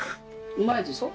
うまいでしょ？